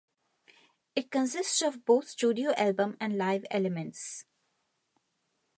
It consists of both studio album and live elements.